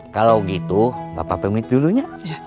kalau gitu bapak pemilik dulunya